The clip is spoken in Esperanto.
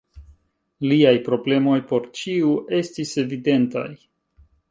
Liaj problemoj por ĉiu estis evidentaj.